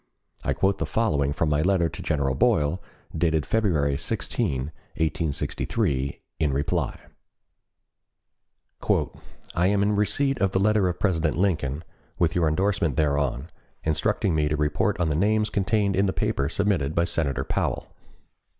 I quote the following from my letter to General Boyle, dated February 16, 1863, in reply: "I am in receipt of the letter of President Lincoln, with your endorsement thereon, instructing me to report on the names contained in the paper submitted by Senator Powell.